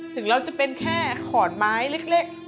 ถึงเราจะเป็นแค่ขอนไม้เล็ก